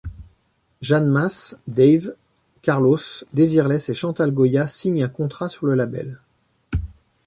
Jeanne Mas, Dave, Carlos, Desireless et Chantal Goya signent un contrat sur le label.